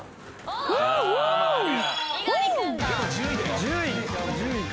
１０位か。